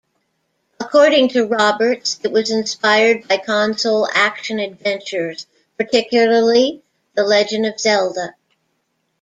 According to Roberts, it was inspired by console action-adventures, particularly "The Legend of Zelda".